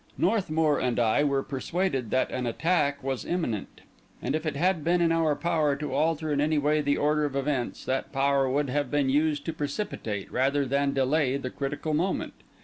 Northmour and I were persuaded that an attack was imminent; and if it had been in our power to alter in any way the order of events, that power would have been used to precipitate rather than delay the critical moment.